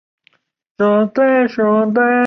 通常还会配合行为治疗法使用。